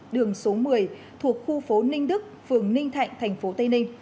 đường số một mươi thuộc khu phố ninh đức phường ninh thạnh tp tây ninh